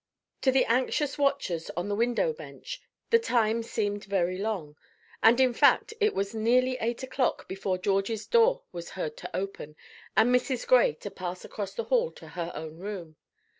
To the anxious watchers on the window bench the time seemed very long; and in fact it was nearly eight o'clock before Georgie's door was heard to open, and Mrs. Gray to pass across the hall to her own room.